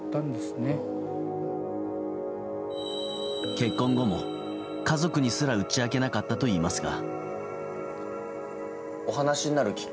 結婚後も家族にすら打ち明けなかったといいますが。